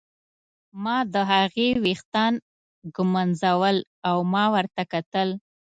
ما د هغې ویښتان ږمونځول او ما ورته کتل.